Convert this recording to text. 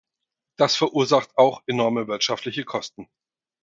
Das verursacht auch enorme wirtschaftliche Kosten.